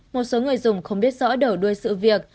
một số người dùng không biết rõ đầu đuôi sự việc